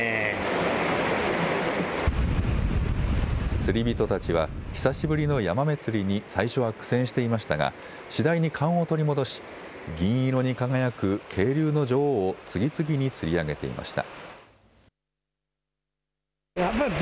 釣り人たちは久しぶりのヤマメ釣りに最初は苦戦していましたが次第に勘を取り戻し銀色に輝く渓流の女王を次々に釣り上げていました。